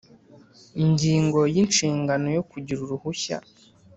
Ingingo ya inshingano yo kugira uruhushya